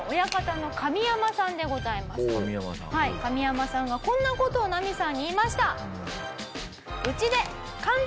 上山さんがこんな事をナミさんに言いました。